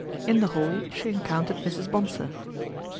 In the hall she encountered Mrs. Bonsor.